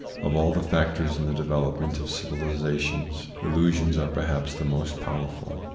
Of all the factors in the development of civilisations, illusions are perhaps the most powerful.